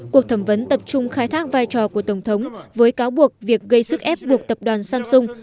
cuộc thẩm vấn tập trung khai thác vai trò của tổng thống với cáo buộc việc gây sức ép buộc tập đoàn samsung